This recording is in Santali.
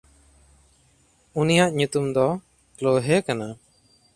ᱩᱱᱤᱭᱟᱜ ᱧᱩᱛᱩᱢ ᱫᱚ ᱠᱞᱚᱦᱮ ᱠᱟᱱᱟ᱾